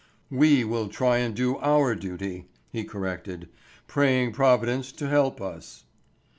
"We will try and do our duty," he corrected, "praying Providence to help us."